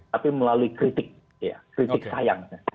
tapi melalui kritik ya kritik sayang